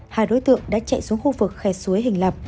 hai đối tượng đã chạy xuống khu vực khe suối hình lập